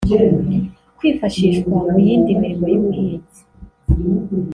kwifashishwa mu yindi mirimo y’ubuhinzi